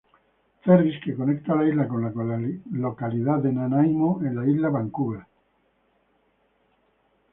Ferries que conecta la isla con la localidad de Nanaimo en la Isla Vancouver.